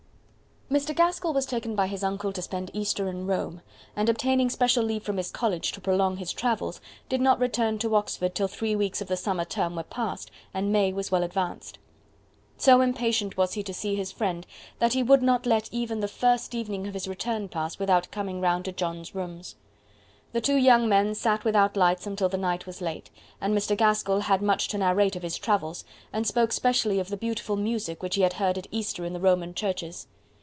Mr. Gaskell was taken by his uncle to spend Easter in Rome, and obtaining special leave from his college to prolong his travels; did not return to Oxford till three weeks of the summer term were passed and May was well advanced. So impatient was he to see his friend that he would not let even the first evening of his return pass without coming round to John's rooms. The two young men sat without lights until the night was late; and Mr. Gaskell had much to narrate of his travels, and spoke specially of the beautiful music which he had heard at Easter in the Roman churches.